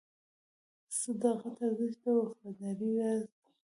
د صداقت ارزښت د وفادارۍ راز دی.